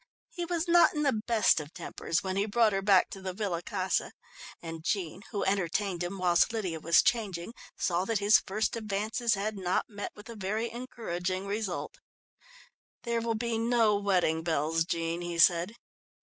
He was not in the best of tempers when he brought her back to the Villa Casa, and Jean, who entertained him whilst Lydia was changing, saw that his first advances had not met with a very encouraging result. "There will be no wedding bells, Jean," he said.